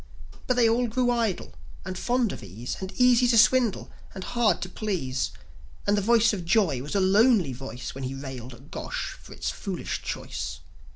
But they all grew idle, and fond of ease, And easy to swindle, and hard to please; And the voice of Joi was a lonely voice, When he railed at Gosh for its foolish choice.